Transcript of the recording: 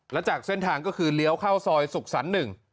และจากเส้นทางก็คือเลี้ยวเข้าซอยสุขสรรค์๑